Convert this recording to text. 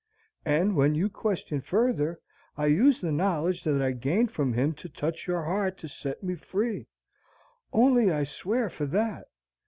And when you questioned further, I used the knowledge that I gained from him to touch your heart to set me free; only, I swear, for that!